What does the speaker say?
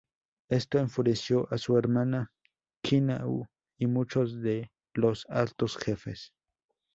Esto enfureció a su hermana Kīnaʻu y muchos de los altos jefes.